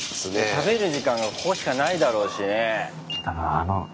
食べる時間がここしかないだろうしね。